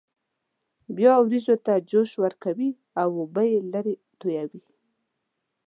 بیا وریجو ته جوش ورکوي او اوبه یې لرې تویوي.